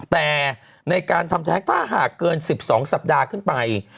แต่ในการทำแท้งถ้าหากเกิน๑๒สัปดาห์ขึ้นไป